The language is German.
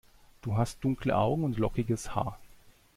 Du hast dunkle Augen und lockiges Haar.